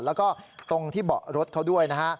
แล้วก็ตรงที่เบาะรถเขาด้วยนะฮะ